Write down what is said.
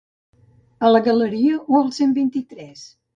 A la Galeria o al Cent vint-i-tres?